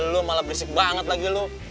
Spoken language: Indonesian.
lu malah berisik banget lagi lu